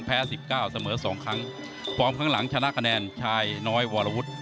แพ้๑๙เสมอ๒ครั้งพร้อมข้างหลังชนะคะแนนชายน้อยวรรุท